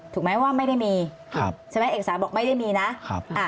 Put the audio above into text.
ถูกไหมว่าไม่ได้มีเอกสารบอกไม่ได้มีนะ